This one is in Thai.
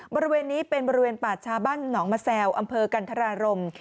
บริเวณนี้เป็นบริเวณป่าชาบ้านหนองมะแซวอำเภอกันธรารม